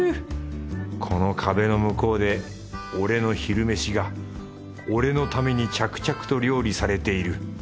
この壁の向こうで俺の昼飯が俺のために着々と料理されている。